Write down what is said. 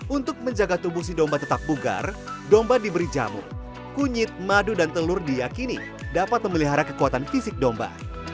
untuk menjaga tubuh si domba tetap bugar domba diberi jamu kunyit madu dan telur diyakini dapat memelihara kekuatan fisik domba